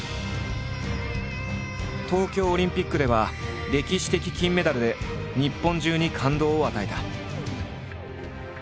東京オリンピックでは歴史的金メダルで日本中に感動を与えた。